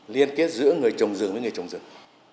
liên kết giữa người trồng rừng với người trồng rừng